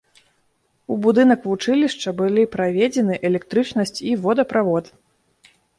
У будынак вучылішча былі праведзены электрычнасць і водаправод.